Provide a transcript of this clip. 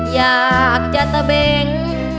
อยากจะตะเบง